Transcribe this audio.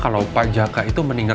kalau pak jaka itu meninggal